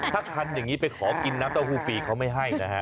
ถ้าคันอย่างนี้ไปขอกินน้ำเต้าหู้ฟรีเขาไม่ให้นะฮะ